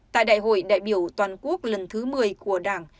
tại đại hội đại biểu toàn quốc lần thứ một mươi của đảng